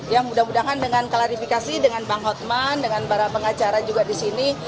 ya mudah mudahan dengan klarifikasi dengan bang hotman dengan para pengacara juga di sini